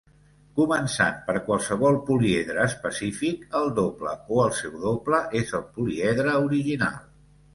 Començant per qualsevol poliedre específic, el doble o el seu doble és el poliedre original.